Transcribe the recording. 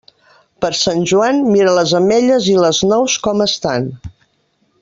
Per Sant Joan, mira les ametlles i les nous com estan.